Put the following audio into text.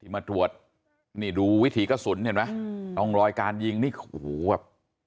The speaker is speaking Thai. มันตรวจนี่ดูวิถีกระสุนเห็นมั้ยอ่าตรงรอยการยิงนี่โหว่ย